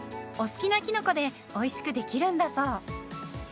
お好きなきのこでおいしくできるんだそう。